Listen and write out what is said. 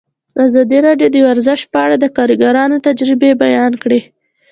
ازادي راډیو د ورزش په اړه د کارګرانو تجربې بیان کړي.